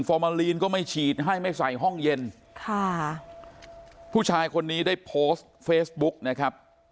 มาลีนก็ไม่ฉีดให้ไม่ใส่ห้องเย็นค่ะผู้ชายคนนี้ได้โพสต์เฟซบุ๊กนะครับ